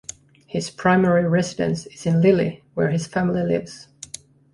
His primary residence is in Lille, where his family lives.